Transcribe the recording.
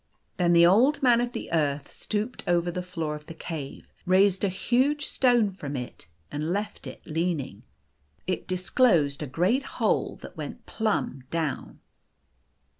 Then the Old Man of the Earth stooped over the floor of the cave, raised a huge stone from it, and left it leaning. It disclosed a great hole that went plumb down.